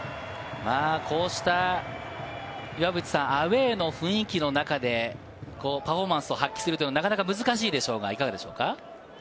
こうしたアウェーの雰囲気の中でパフォーマンスを発揮するのは、なかなか難しいでしょうが、いかがですか？